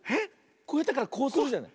こうやってからこうするじゃない？